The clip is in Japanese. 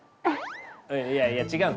うんいやいや違う！